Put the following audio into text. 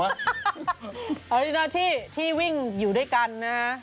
อันนี้หน้าที่ที่วิ่งอยู่ด้วยกันนะฮะ